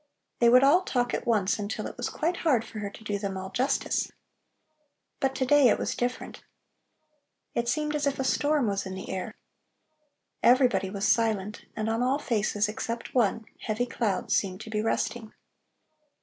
They would all talk at once until it was quite hard for her to do them all justice. But to day it was different. It seemed as if a storm was in the air; everybody was silent, and on all faces, except one, heavy clouds seemed to be resting.